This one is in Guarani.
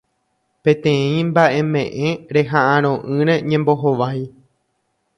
Peteĩ mba'eme'ẽ reha'ãrõ'ỹre ñembohovái